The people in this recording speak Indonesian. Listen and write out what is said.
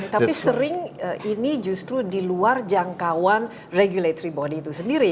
tapi sering ini justru di luar jangkauan regulatory body itu sendiri